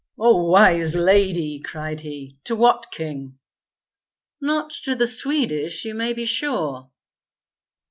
"O Wise Lady!" cried he. "To what king." "Not to the Swedish, you may be sure."